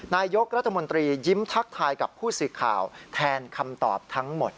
นายกรัฐมนตรียิ้มทักทายกับผู้สื่อข่าวแทนคำตอบทั้งหมด